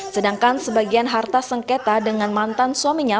sedangkan sebagian harta sengketa dengan mantan suaminya